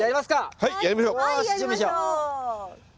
はいやりましょう。